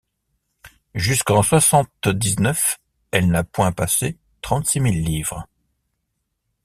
jusqu’en soixante-dix-neuf elle n’a point passé trente-six mille livres.